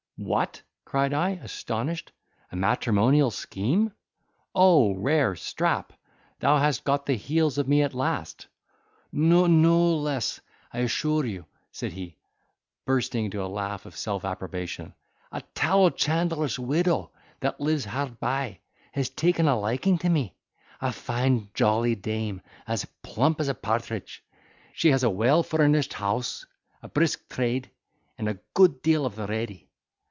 "What!" cried I, astonished, "a matrimonial scheme? O rare Strap! thou hast got the heels of me at last." "N—no less, I assure you," said he, bursting into a laugh of self approbation: "a tallow chandler's widow that lives hard by, has taken a liking to me, a fine jolly dame, as plump as a partridge. She has a well furnished house, a brisk trade, and a good deal of the ready.